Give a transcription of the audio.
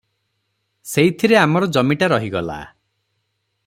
ସେଇଥିରେ ଆମର ଜମିଟା ରହିଗଲା ।